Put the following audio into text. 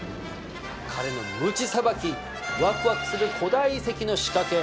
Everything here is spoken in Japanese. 彼のムチさばきワクワクする古代遺跡の仕掛け。